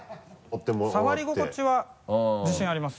触り心地は自信あります。